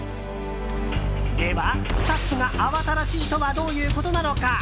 では、スタッフが慌ただしいとはどういうことなのか。